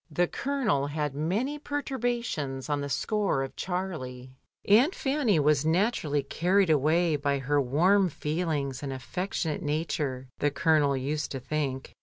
The Colonel had many perturbations on the score of Charlie. Aunt Fanny was naturally carried away by her warm feelings and afifectionate nature, the Colonel used to think.